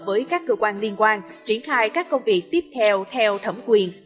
với các cơ quan liên quan triển khai các công việc tiếp theo theo thẩm quyền